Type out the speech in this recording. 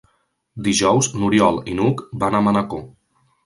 Dijous n'Oriol i n'Hug van a Manacor.